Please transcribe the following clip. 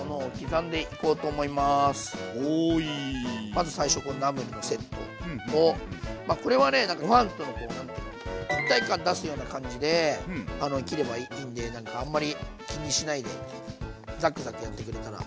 まず最初このナムルのセットをまあこれはねご飯とのこう何て言うの一体感出すような感じで切ればいいんでなんかあんまり気にしないでザクザクやってくれたら。